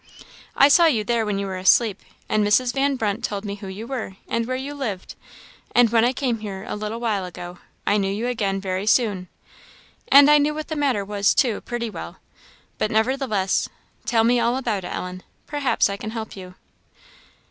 "I saw you there when you were asleep; and Mrs. Van Brunt told me who you were, and where you lived; and when I came here, a little while ago. I knew you again very soon. And I knew what the matter was, too, pretty well; but nevertheless, tell me all about it, Ellen; perhaps I can help you."